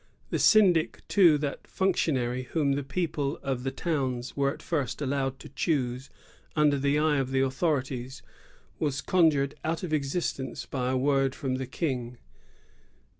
The syndic, too, that functionary whom the people of the towns were at first allowed to choose, under the eye of the authorities, was con jured out of existence by a word from the King.